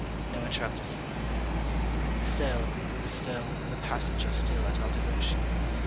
No interrupters have been there. The cell, the stone, and the passage are still at our devotion.